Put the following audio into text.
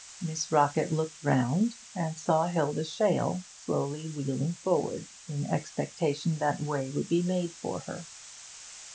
Miss Rockett looked round, and saw Hilda Shale slowly wheeling forward, in expectation that way would be made for her.